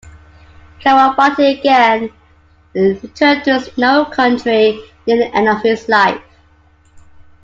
Kawabata again returned to "Snow Country" near the end of his life.